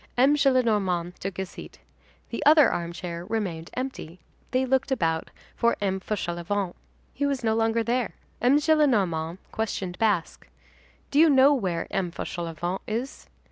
M. Gillenormand took his seat. The other armchair remained empty. They looked about for M. Fauchelevent. He was no longer there. M. Gillenormand questioned Basque. "Do you know where M. Fauchelevent is?"